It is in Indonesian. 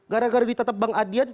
gara gara ditetap bang adian